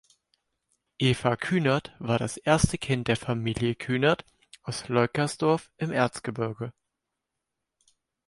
Eva Kühnert war das erste Kind der Familie Kühnert aus Leukersdorf im Erzgebirge.